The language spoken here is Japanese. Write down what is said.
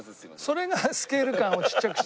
それがスケール感をちっちゃくしてるって。